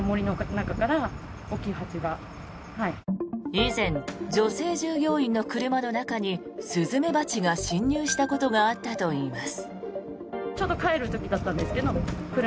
以前、女性従業員の車の中にスズメバチが侵入したことがあったといいます。